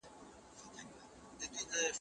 زه درس زده کوم.